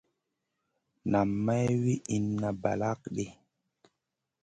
Nam may wi inna balakŋ ɗi.